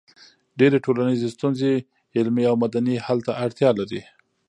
ډېری ټولنیزې ستونزې علمي او مدني حل ته اړتیا لري.